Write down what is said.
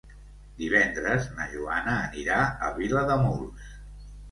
Divendres na Joana anirà a Vilademuls.